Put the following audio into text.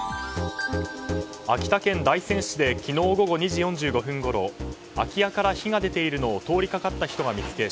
秋田県大仙市で昨日午後２時４５分ごろ空き家から火が出ているのを通りかかった人が見つけ